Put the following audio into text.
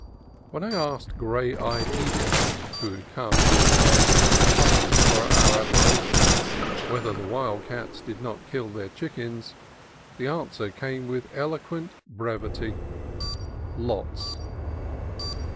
When I asked gray eyed Edith, who came with arm fuls of puppies for our admiration, whether the wild cats did not kill their chickens, the answer came with eloquent brevity, "Lots."